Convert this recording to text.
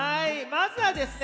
まずはですね